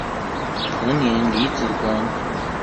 彭宁离子阱。